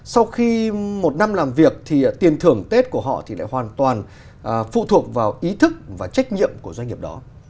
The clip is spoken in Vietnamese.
sau khi một năm làm việc thì tiền thưởng tết của họ thì lại hoàn toàn phụ thuộc vào ý thức và trách nhiệm của doanh nghiệp đó